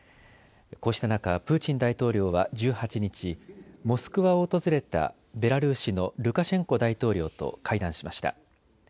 こうした中、プーチン大統領は１８日、モスクワを訪れたベラルーシのルカシェンコ大統領と会談しました。